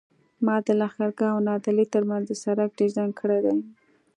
ما د لښکرګاه او نادعلي ترمنځ د سرک ډیزاین کړی دی